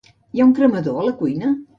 Hi ha un cremador a la cuina?